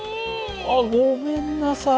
あっごめんなさい。